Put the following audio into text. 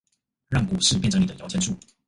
讓股市變成你的搖錢樹